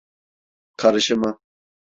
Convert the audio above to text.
Karışımı.